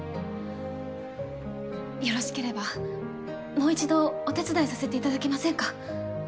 よろしければもう１度お手伝いさせていただけませんか？